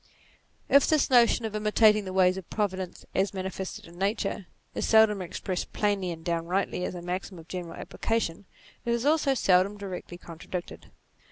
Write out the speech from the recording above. If this notion of imitating the ways of Providence as manifested in Nature, is seldom expressed plainly and downrightly as a maxim of general application, it also is seldom directly contradicted.